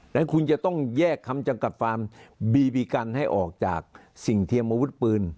และคุณจะต้องแยกคำจำกัดฟาร์มบีบีกันให้ออกจากสิ่งเทียมอาวุธปืน